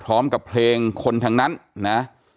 พร้อมกับเพลงคนทั้งนั้นนะ